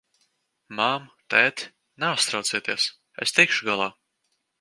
Mammu, tēti, neuztraucieties, es tikšu galā!